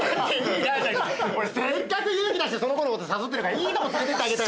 俺せっかく勇気出してその子のこと誘ってるからいいとこ連れてってあげたい。